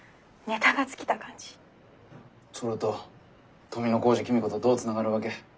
それと富小路公子とどうつながるわけ？